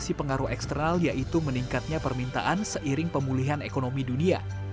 memiliki pengaruh eksternal yaitu meningkatnya permintaan seiring pemulihan ekonomi dunia